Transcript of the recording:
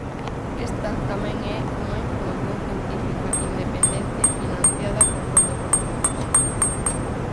Esta tamén é unha información científica independente financiada con fondos públicos.